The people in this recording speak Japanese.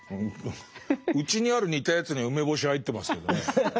うちにある似たやつには梅干し入ってますけどね。